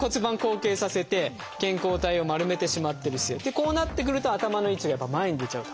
こうなってくると頭の位置が前に出ちゃうと。